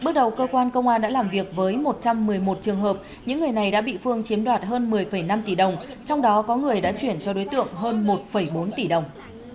trường hợp những người này đã bị phương chiếm đoạt hơn một mươi năm tỷ đồng trong đó có người đã chuyển cho đối tượng hơn một bốn tỷ đồng